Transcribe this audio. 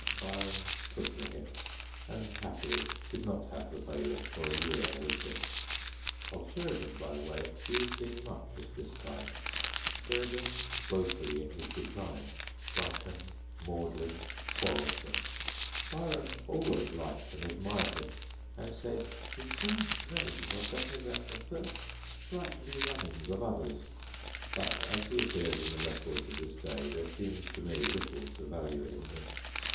Byron took the hint, and happily did not have the bailiff for a year with him. Of Sheridan, by the way, he was seeing much at this time Sheridan woefully in his decline, drunken, maudlin, quarrelsome. 104 THE GHOSTS OF PICCADILLY Byron always liked and admired him, and said 'his very dregs are better than "the first sprightly runnings " of others,' but as he appears in the records of this day there seems to me little to value in him.